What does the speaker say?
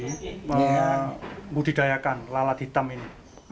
apa yang mau didayakan lalat hitam ini